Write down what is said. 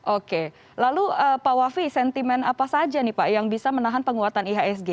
oke lalu pak wafi sentimen apa saja nih pak yang bisa menahan penguatan ihsg